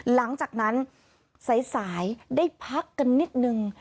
หลังจากนั้นสายได้พักกันนิดนึง